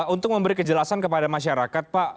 untuk memberi kejelasan kepada masyarakat pak